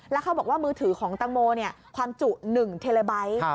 แล้วเขาบอกว่ามือถือของตังโมความจุ๑เทเลไบท์